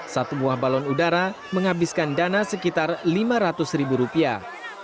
satu buah balon udara menghabiskan dana sekitar lima ratus ribu rupiah